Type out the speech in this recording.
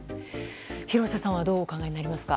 廣瀬さんはどうお考えになりますか？